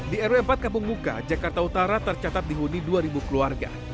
di rw empat kampung muka jakarta utara tercatat dihuni dua ribu keluarga